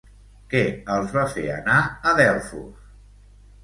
Què els va fer anar a Delfos?